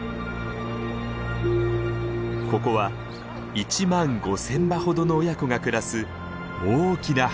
ここは１万５，０００羽ほどの親子が暮らす大きな繁殖地です。